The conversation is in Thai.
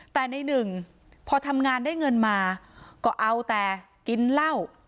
แต่ในหนึ่งพอทำงานได้เงินมาก็เอาแต่กินเหล้า